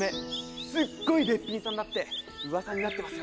すっごいべっぴんさんだってうわさになってますよ。